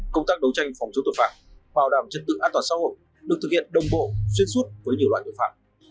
công tác đấu tranh phòng chống tội phạm bảo đảm trật tự an toàn xã hội được thực hiện đồng bộ xuyên suốt với nhiều loại tội phạm